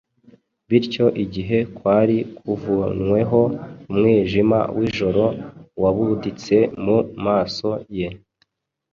bityo igihe kwari kuvanweho umwijima w’ijoro wabuditse mu maso ye.